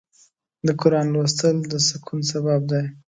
د قرآن لوستل د سکون سبب دی.